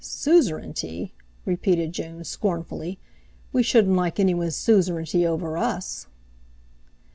"Suzerainty!" repeated June scornfully; "we shouldn't like anyone's suzerainty over us."